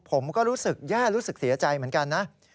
ผมก็รู้สึกแย่รู้สึกเสียใจเหมือนกันนะ